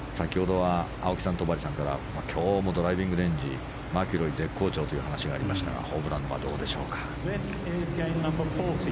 先ほどは青木さん、戸張さんから今日もドライビングレンジマキロイ、絶好調という話がありましたがホブランはどうでしょうか。